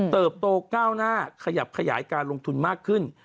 เติบโตก้าวหน้าขยับขยายการลงทุนมากขึ้น